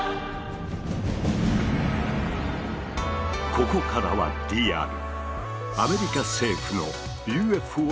ここからはリアル。